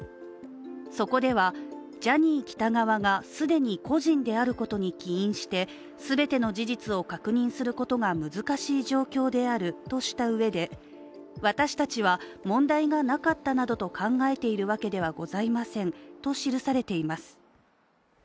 そこでは、ジャニー喜多川が既に故人であることに起因して全ての事実を確認することが難しい状況であるとしたうえで私たちは問題がなかったなどと考えているわけではございませんと記されています。